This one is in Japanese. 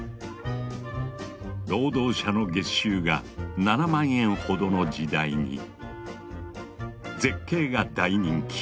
労働者の月収が７万円ほどの時代に絶景が大人気！